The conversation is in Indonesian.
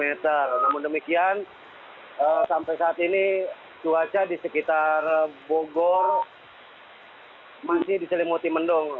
namun demikian sampai saat ini cuaca di sekitar bogor masih diselimuti mendung